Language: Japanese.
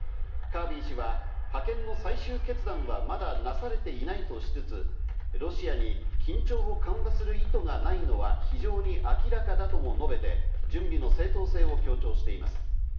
カービー氏は派遣の最終決断はまだなされていないとしつつ、ロシアに緊張を緩和する意図がないのは非常に明らかだとも述べて、準備の正当性を強調しています。